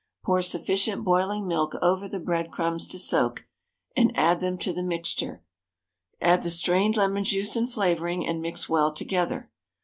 Pour sufficient boiling milk over the breadcrumbs to soak, and add them to the mixture, add the strained lemon juice and flavouring, and mix well together.